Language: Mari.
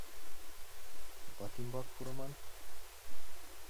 — Ватӱмбак пурыман?